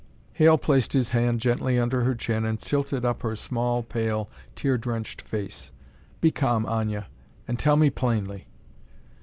Hale placed his hand gently under her chin and tilted up her small, pale, tear drenched face. "Be calm, Aña, and tell me plainly."